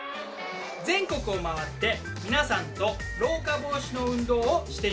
全国を回って皆さんと老化防止の運動をしています。